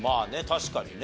確かにね。